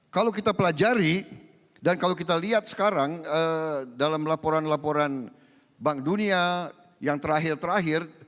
kalau kita pelajari dan kalau kita lihat sekarang dalam laporan laporan bank dunia yang terakhir terakhir